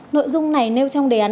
nội dung này nêu trong đề án